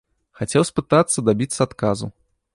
Хацеў спытацца, дабіцца адказу.